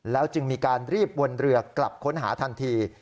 จึงมีการรีบวนเรือกลับค้นหาทันที